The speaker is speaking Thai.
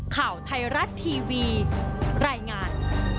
ข่าวไทยรัฐทีวีรายงาน